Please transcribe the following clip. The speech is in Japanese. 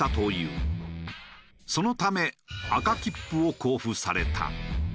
そのため赤切符を交付された。